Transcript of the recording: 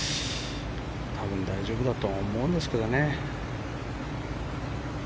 多分大丈夫だとは思うんですけどね。